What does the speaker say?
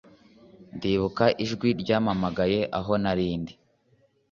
Ndibuka ijwi ryampamagaye aho nari ndi